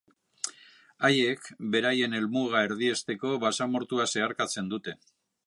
Haiek beraien helmuga erdiesteko basamortua zeharkatzen dute.